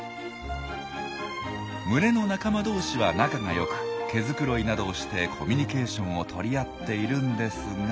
群れの仲間同士は仲がよく毛繕いなどをしてコミュニケーションをとり合っているんですが。